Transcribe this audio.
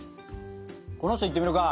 この人いってみるか。